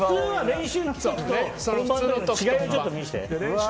ちょっと見せてよ、それ。